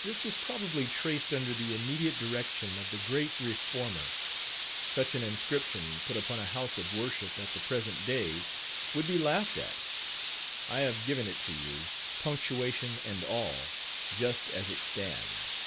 This was probably traced under the immediate direction of the great Reformer. Such an inscription put upon a house of worship at the present day, would be laughed at. I have given it to you, punctuation and all, just as it stands.